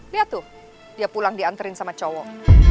dia tuh dia pulang diantarin sama cowok